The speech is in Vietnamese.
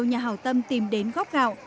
hảo tâm tìm đến góp gạo